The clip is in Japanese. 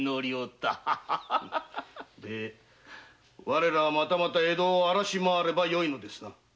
我らは江戸を荒らし回ればよいのですな。